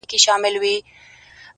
• بدل کړيدی ـ